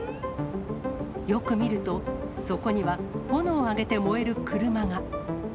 よく見ると、そこには炎を上げて燃える車が。